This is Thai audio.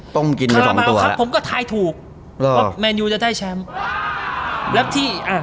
ต้องกินไปสองตัวแล้วผมก็ทายถูกเออแมนยูจะได้แชมป์แล้วที่อ่ะ